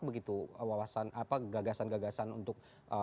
begitu gagasan gagasan untuk